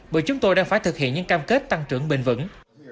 bởi chúng tôi đang phải thực hiện những cam kết tăng trưởng bền vững